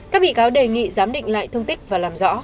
các bị cáo đề nghị giám định lại thương tích và làm rõ